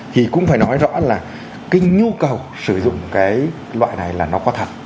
thì cũng phải nói rõ là cái nhu cầu sử dụng cái loại này là nó có thật